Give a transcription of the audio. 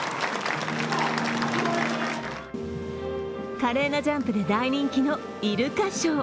華麗なジャンプで大人気のイルカショー。